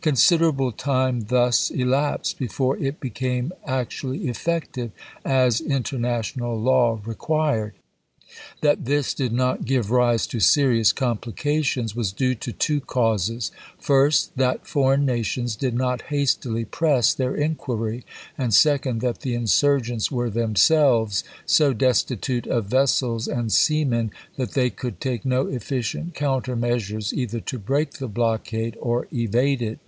Considerable time thus HATTERAS AND PORT EOYAL ' elapsed before it became actually effective as in chap. i. ternational law required. That this did not give rise to serious complications was due to two causes ; first, that foreign nations did not hastily press their inquiry, and second, that the insurgents were themselves so destitute of vessels and sea men that they could take no efficient counter measures, either to break the blockade or evade it.